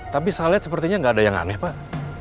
tapi saya lihat sepertinya nggak ada yang aneh pak